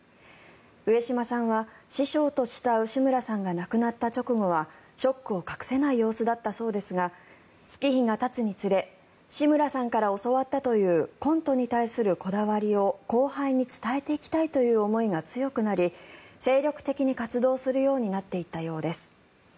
上島さんは、師匠と慕う志村さんが亡くなった直後はショックを隠せない様子だったそうですが月日がたつにつれ志村さんから教わったというコントに対するこだわりを後輩に伝えていきたいという思いが強くなり精力的に活動するようになっていったようです。